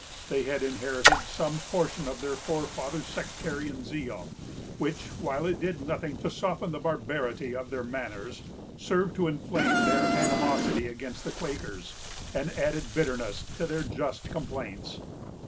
They had inherited some portion of their forefathers' sectarian zeal, which, while it did nothing to soften the barbarity of their manners, served to inflame their animosity against the Quakers, and added bitterness to their just complaints.